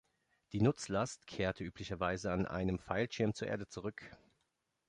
Die Nutzlast kehrte üblicherweise an einem Fallschirm zur Erde zurück.